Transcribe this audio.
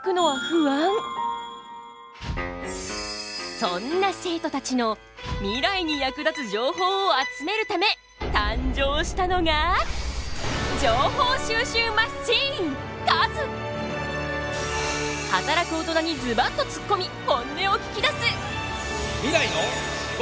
そんな生徒たちのミライに役立つ情報を集めるため誕生したのが働く大人にズバッとつっこみ本音を聞きだす！